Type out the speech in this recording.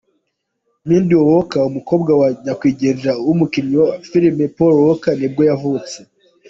Meadow Walker, umukobwa wa nyakwigendera, umukinnyi wa filime Paul Walker nibwo yavutse.